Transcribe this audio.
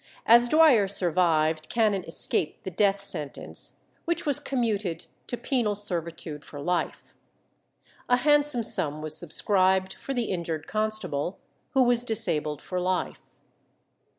As Dwyer survived, Cannon escaped the death sentence, which was commuted to penal servitude for life. A handsome sum was subscribed for the injured constable, who was disabled for life.